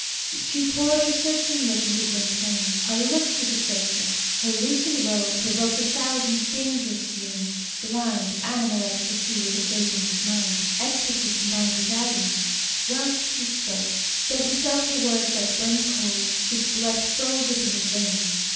She poured her searching look into Gwynplaine. A look is a philtre. Her loosened robe provoked a thousand dangerous feelings. Blind, animal ecstasy was invading his mind ecstasy combined with agony. Whilst she spoke, though he felt her words like burning coals, his blood froze within his veins.